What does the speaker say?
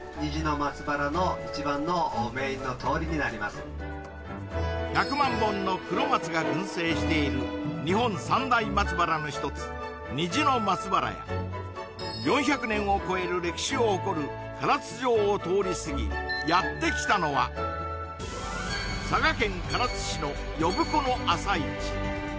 ここが１００万本のクロマツが群生している日本三大松原の一つ虹の松原や４００年を超える歴史を誇る唐津城を通り過ぎやってきたのは佐賀県唐津市の呼子の朝市